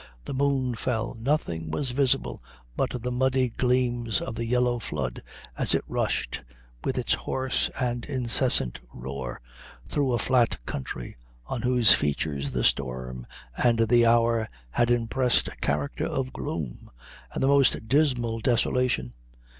the moon fell, nothing was visible but the muddy gleams of the yellow flood as it rushed, with its hoarse and incessant roar, through a flat country on whose features the storm and the hour had impressed a character of gloom, and the most dismal desolation.